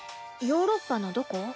ヨーロッパのどこ？